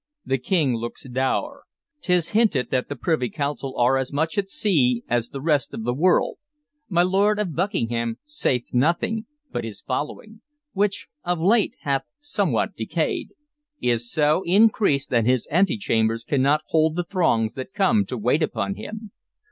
The King looks dour; 't is hinted that the privy council are as much at sea as the rest of the world; my Lord of Buckingham saith nothing, but his following which of late hath somewhat decayed is so increased that his antechambers cannot hold the throngs that come to wait upon him.